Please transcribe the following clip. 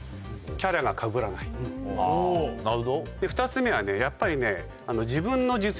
２つ目はねやっぱりね。